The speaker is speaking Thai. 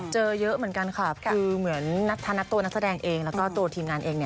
เจอเยอะเหมือนกันค่ะคือเหมือนตัวนักแสดงเองแล้วก็ตัวทีมงานเอง